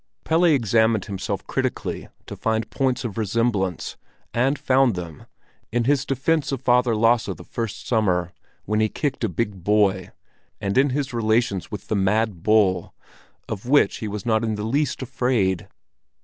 Pelle examined himself critically to find points of resemblance, and found them—in his defence of Father Lasse the first summer, when he kicked a big boy, and in his relations with the mad bull, of which he was not in the least afraid.